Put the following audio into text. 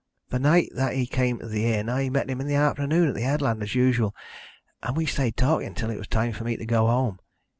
"The night that he came to the inn I met him in the afternoon at the headland as usual, and we stayed talking until it was time for me to go home.